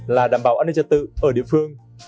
là đảm bảo an ninh trật tự ở địa phương